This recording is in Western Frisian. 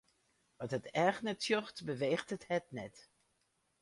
Wat it each net sjocht, beweecht it hert net.